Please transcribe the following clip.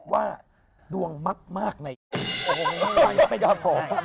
ว่าดวงมักมากในโอ้โหไม่ได้